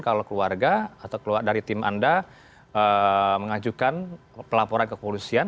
kalau keluarga atau keluar dari tim anda mengajukan pelaporan ke kepolisian